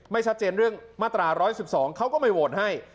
ไม่ชัดเจนเรื่องมาตรา๑๑๒เขาก็ไม่โหวตให้